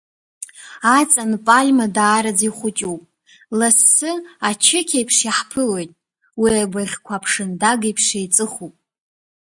Аҵан пальма даараӡа ихәыҷуп, лассы ачықь еиԥш иаҳԥылоит, уи абыӷьқәа аԥшындага еиԥш еиҵыхуп.